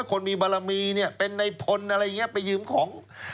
คนมีบารมีเนี่ยเป็นในพลอะไรอย่างนี้ไปยืมของ